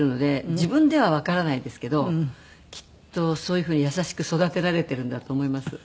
自分ではわからないですけどきっとそういうふうに優しく育てられているんだと思います。